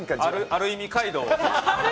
ある意味街道を。